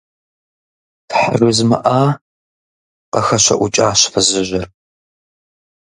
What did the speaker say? – Тхьэ, жызмыӀа! – къыхэщэӀукӀащ фызыжьыр.